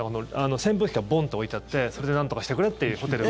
扇風機がボンと置いてあってそれでなんとかしてくれというホテルが。